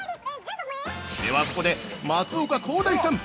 では、ここで、松岡広大さん